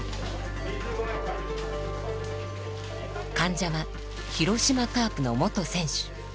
患者は広島カープの元選手。